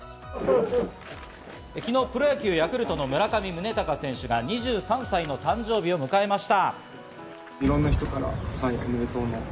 昨日、プロ野球・ヤクルトの村上宗隆選手が２３歳の誕生日を迎えました。